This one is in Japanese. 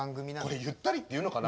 これゆったりって言うのかな？